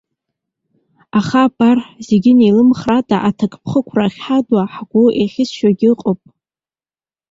Аха абра, зегьы неилымхрыда аҭакԥхықәра ахьҳаду, ҳгәы еихьызшьуагьы ыҟоуп.